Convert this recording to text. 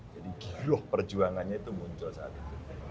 jadi giloh perjuangannya itu muncul saat itu